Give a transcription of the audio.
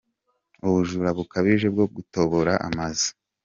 Ubujura bukabije bwo gutobora amazu